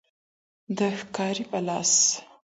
د ښکاري په لاس